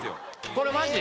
これマジ？